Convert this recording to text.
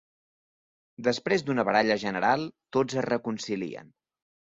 Després d'una baralla general, tots es reconcilien.